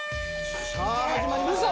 さあ始まりました。